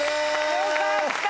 よかった！